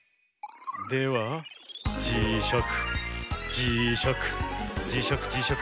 ではじしゃくじしゃくじしゃくじしゃく